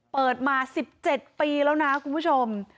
เปิดมา๑๗ปีแล้วนะคุณผู้ชม